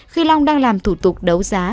khi long đang làm thủ tục đấu giá